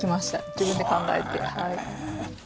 自分で考えてはい。